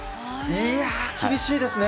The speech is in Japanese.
いやー、厳しいですね。